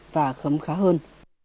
và khấm khá hơn